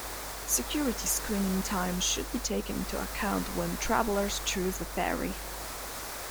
Security screening time should be taken into account when travelers choose the ferry.